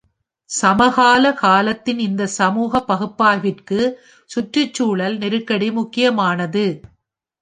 சமகால காலத்தின் இந்த சமூக பகுப்பாய்விற்கு சுற்றுச்சூழல் நெருக்கடி முக்கியமானது.